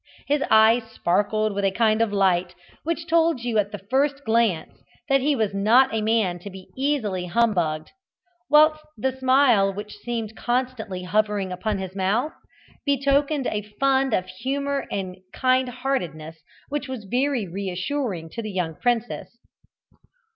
His eyes sparkled with a kind of light, which told you at the first glance that he was not a man to be easily hum bugged, whilst the smile which seemed constantly hovering upon his mouth betokened a fund of humour and kind heartedness which was very reassuring to the young princess.